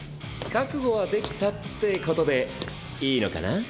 覚悟はできたってことでいいのかな？